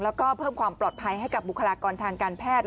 แล้วก็เพิ่มความปลอดภัยให้กับบุคลากรทางการแพทย์